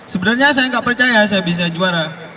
sebenarnya saya nggak percaya saya bisa juara